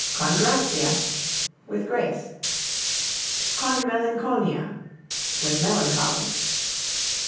Con grazia with grace. Con melinconia with melancholy.